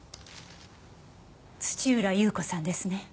土浦裕子さんですね？